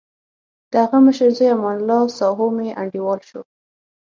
دهغه مشر زوی امان الله ساهو مې انډیوال شو.